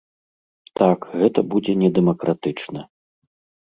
Так, гэта будзе недэмакратычна.